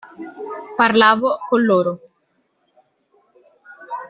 Parlavo con loro.